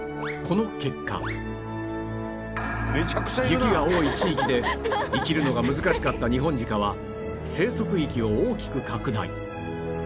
雪が多い地域で生きるのが難しかったニホンジカは生息域を大きく拡大